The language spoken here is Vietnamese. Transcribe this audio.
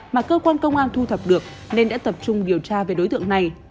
mà cơ quan công an thu thập được nên đã tập trung điều tra về đối tượng này